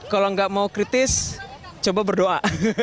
kalau nggak mau kritis coba berdoa